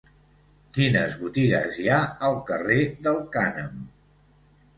Quines botigues hi ha al carrer del Cànem?